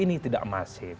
ini tidak masif